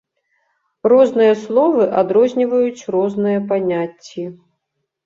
Розныя словы адрозніваюць розныя паняцці.